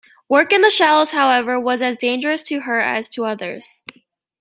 Work in the shallows, however, was as dangerous to her as to others.